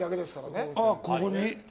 ここに？